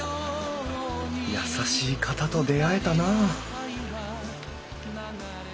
優しい方と出会えたな